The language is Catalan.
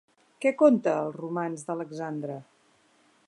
Què conta El romanç d'Alexandre?